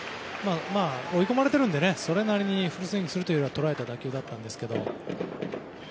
追い込まれているのでそれなりにフルスイングをして捉えた打球だったんですけど。